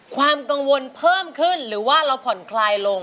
ความกังวลเพิ่มขึ้นหรือว่าเราผ่อนคลายลง